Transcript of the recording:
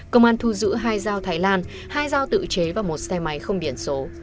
công an thu giữ hai dao thái lan hai dao tự chế và một xe máy không biển số